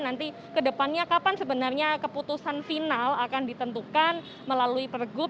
nanti kedepannya kapan sebenarnya keputusan final akan ditentukan melalui pergub